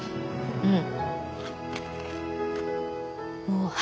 うん？